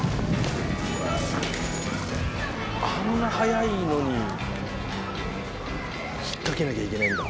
あんな速いのに引っ掛けなきゃいけないんだ。